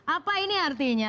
apa ini artinya